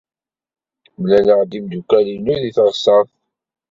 Mlaleɣ-d imeddukal-inu deg teɣsert.